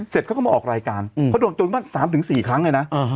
เสร็จเขาก็มาออกรายการเขาโดนโจรมัน๓๔ครั้งเลยนะ